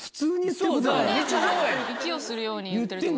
息をするように言ってる。